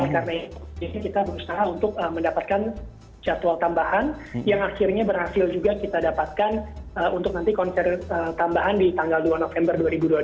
jadi kita berusaha untuk mendapatkan jadwal tambahan yang akhirnya berhasil juga kita dapatkan untuk nanti konser tambahan di tanggal dua november dua ribu dua puluh dua